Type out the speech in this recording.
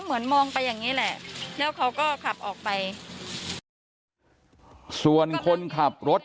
เหมือนมองไปอย่างนี้แหละแล้วเขาก็ขับออกไปส่วนคนขับรถ